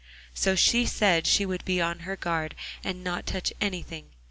So she said she would be on her guard, and not touch anything.